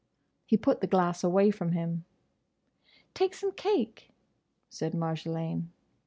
He put the glass away from him. "Take some cake?" said Marjolaine.